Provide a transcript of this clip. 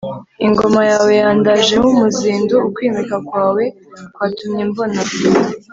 ingoma yawe yandajeho umuzindu: ukwimika kwawe kwatumye mbona